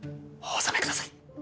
お納めください。